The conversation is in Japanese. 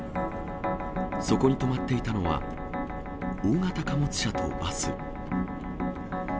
そこに止まっていたのは、大型貨物車とバス。